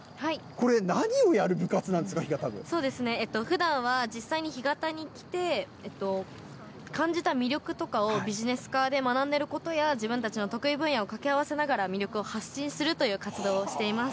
これ、何をやる部活なんですか、そうですね。ふだんは実際に干潟に来て、感じた魅力とかを、ビジネス科で学んでいることや、自分たちの得意分野を掛け合わせながら、魅力を発信するという活動をしています。